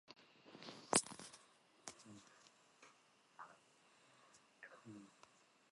دووکانێک لە نزیک دەروازەی ئاسایشگا بوو